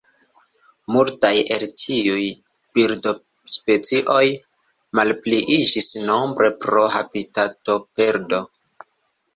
Multaj el tiuj birdospecioj malpliiĝis nombre pro habitatoperdo.